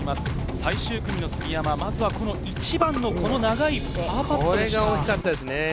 最終組の杉山はまずは１番の長いパーパットでした。